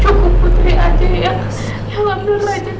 yang ambil raja dari aku